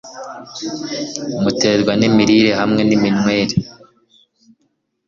muterwa nimirire hamwe niminywere